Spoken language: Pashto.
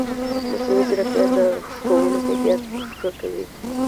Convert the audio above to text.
مصنوعي ځیرکتیا د ښوونې کیفیت ښه کوي.